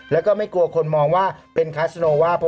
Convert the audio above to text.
แล้วก็ไม่กลัวคนมองว่าเป็นคัสโนว่า